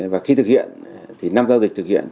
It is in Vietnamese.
và khi thực hiện thì năm giao dịch thực hiện